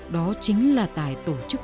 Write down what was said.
đó chính là tài tổ chức